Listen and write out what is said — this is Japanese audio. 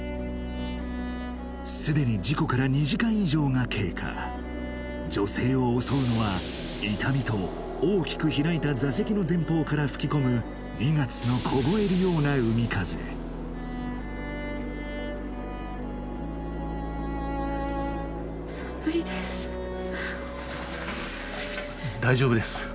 すでに事故から２時間以上が経過女性を襲うのは痛みと大きく開いた座席の前方から吹き込む２月の凍えるような海風大丈夫です